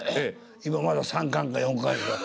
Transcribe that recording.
今まだ３巻か４巻しか。